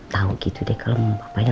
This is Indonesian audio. tahu gitu deh kalau mamapapanya